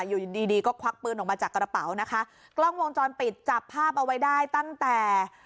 อยู่ดีดีก็ควักปืนออกมาจากกระเป๋านะคะกล้องวงจรปิดจับภาพเอาไว้ได้ตั้งแต่